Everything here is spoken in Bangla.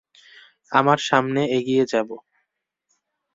আমরা সামনে এগিয়ে যাবো।